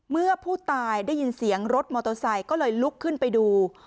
เมื่อผู้ตายได้ยินเสียงรถมอเตอร์ไซค์ก็เลยลุกขึ้นไปดู